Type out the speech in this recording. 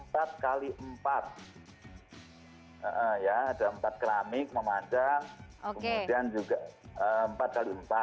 pola keramiknya empat x empat ada empat keramik memadang kemudian juga empat x empat